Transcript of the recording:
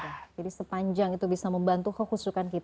jadi sepanjang itu bisa membantu kehusukan kita